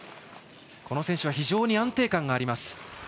この選手は非常に安定感があります。